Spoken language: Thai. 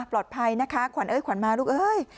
ปลอดภัยนะคะขวัญเอ้ยขวัญมาลูกเอ้ย